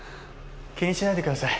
気にしないでください。